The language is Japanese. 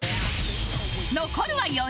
残るは４人